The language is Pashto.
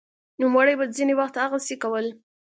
نوموړي به ځیني وخت هغسې کول